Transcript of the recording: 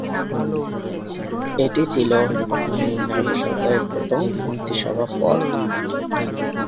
এটি ছিল তামিলনাড়ু সরকারের প্রথম মন্ত্রিসভা পদ।